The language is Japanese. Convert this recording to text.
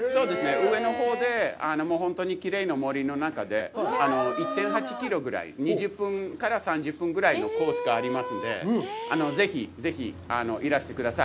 上のほうの本当にきれいな森の中で、１．８キロぐらい、２０分から３０分ぐらいのコースがありますので、ぜひいらしてください。